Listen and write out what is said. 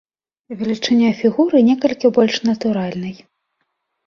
Велічыня фігуры некалькі больш натуральнай.